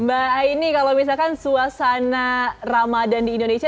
mbak aini kalau misalkan suasana ramadan di indonesia